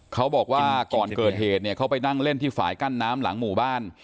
เขาบอกว่าก่อนเกิดเหตุเนี่ยเขาไปนั่งเล่นที่ฝ่ายกั้นน้ำหลังหมู่บ้าน